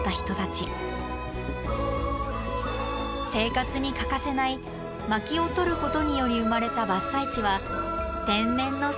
生活に欠かせないまきをとることにより生まれた伐採地は天然のスキー場。